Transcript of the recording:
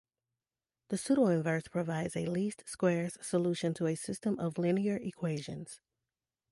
The pseudoinverse provides a least squares solution to a system of linear equations.